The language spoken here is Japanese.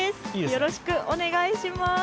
よろしくお願いします！